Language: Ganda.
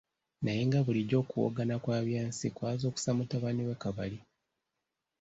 Naye nga bulijjo, okuwoggana kwa Byansi kwazukusa mutabani we Kabali.